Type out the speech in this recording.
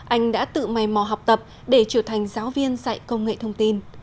anh đã tự mày mò học tập để trở thành giáo viên dạy công nghệ thông tin